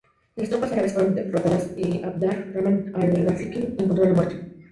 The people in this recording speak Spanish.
Las tropas árabes fueron derrotadas y Abd-ar-Rahman al-Ghafiqi encontró la muerte.